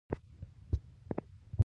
باد د سیندونو له غاړې تېرېږي